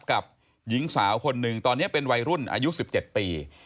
กับหญิงสาวคนหนึ่งตอนนี้เป็นวัยรุ่นอายุ๑๗ปี